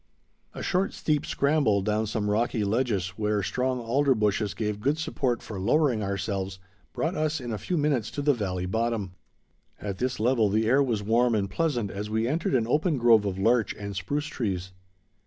A short, steep scramble down some rocky ledges, where strong alder bushes gave good support for lowering ourselves, brought us in a few minutes to the valley bottom. At this level the air was warm and pleasant as we entered an open grove of larch and spruce trees.